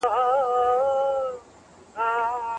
هغه کتاب چې ما درکړی و، تاته په درد وخوړ؟